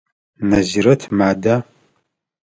Назирэт мада?